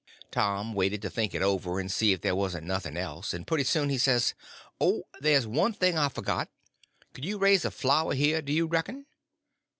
Tom waited to think it over, and see if there wasn't nothing else; and pretty soon he says: "Oh, there's one thing I forgot. Could you raise a flower here, do you reckon?"